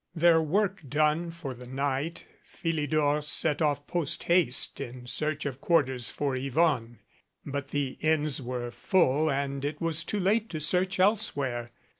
Their work done for the night, Philidor set off post haste in search of quarters for Yvonne ; but the inns were full and it was too late to search elsewhere.